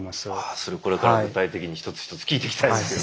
それをこれから具体的に一つ一つ聞いていきたいですけど。